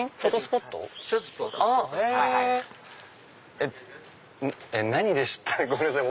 えっ何で知ったごめんなさい